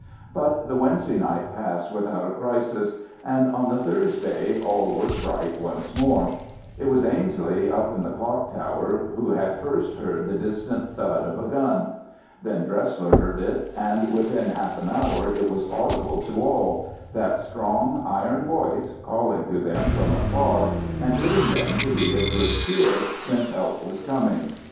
But the Wednesday night passed without a crisis, and on the Thursday all was bright once more. It was Ainslie up in the clock tower who had first heard the distant thud of a gun. Then Dresler heard it, and within half an hour it was audible to all—that strong iron voice, calling to them from afar and bidding them to be of good cheer, since help was coming.